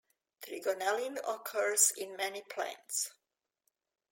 Trigonelline occurs in many plants.